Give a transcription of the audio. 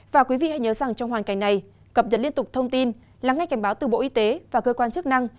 và quý vị hãy nhớ rằng trong hoàn cảnh này cập nhật liên tục thông tin lắng nghe cảnh báo từ bộ y tế và cơ quan chức năng